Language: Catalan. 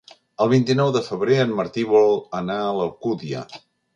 El vint-i-nou de febrer en Martí vol anar a l'Alcúdia.